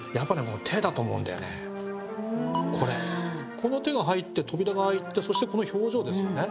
この手が入って扉が開いてそしてこの表情ですよね。